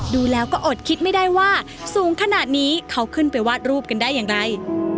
ดูแล้วก็อดคิดไม่ได้ว่าสูงขนาดนี้เขาขึ้นไปวาดรูปกันได้อย่างไร